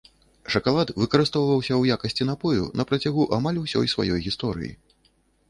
Шакалад выкарыстоўваўся ў якасці напою на працягу амаль усёй сваёй гісторыі.